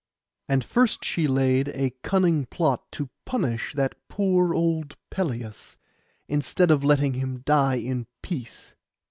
And first she laid a cunning plot to punish that poor old Pelias, instead of letting him die in peace.